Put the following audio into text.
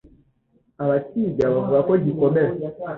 Abakiga bavuga ko gikomera